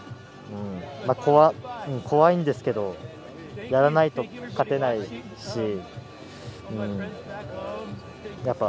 怖いんですけどやらないと勝てないし。